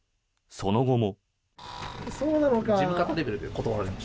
その後も。